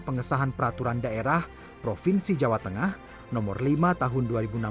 pengesahan peraturan daerah provinsi jawa tengah nomor lima tahun dua ribu enam belas